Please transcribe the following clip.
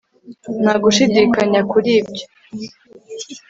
nta gushidikanya kuri byo